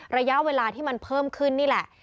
ระยะเวลาที่มันเพิ่มขึ้นนี่แหละ